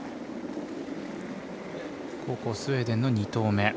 後攻スウェーデンの２投目。